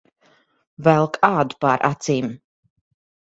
Velk ādu pār acīm.